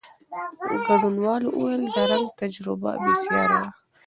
ګډونوالو وویل، د رنګ تجربه بېساري وه.